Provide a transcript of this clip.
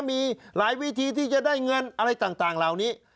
มีหลายวิธีที่จะได้เงินอะไรต่างเหล่านี้